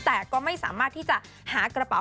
แต่ก็ไม่สามารถที่จะหากระเป๋า